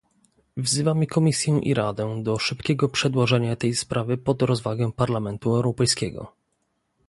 Wzywamy Komisję i Radę do szybkiego przedłożenia tej sprawy pod rozwagę Parlamentu Europejskiego